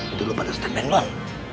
itu lu pada stand band lu kan